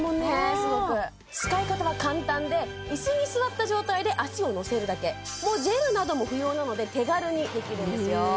すごく使い方は簡単で椅子に座った状態で足を乗せるだけもうジェルなども不要なので手軽にできるんですよ